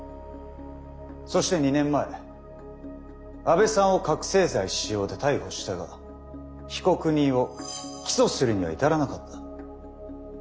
そして２年前阿部さんを覚醒剤使用で逮捕したが被告人を起訴するには至らなかった。